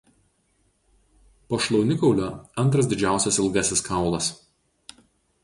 Po šlaunikaulio antras didžiausias ilgasis kaulas.